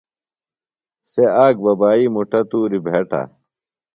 سےۡ آک ببائی مُٹہ تُوریۡ بھیٹہ۔